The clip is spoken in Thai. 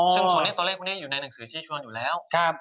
ตอนนี้อยู่ในหนังสือชิชวนอยู่แล้ว